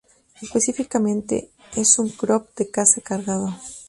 Específicamente, es un crop de caza cargado.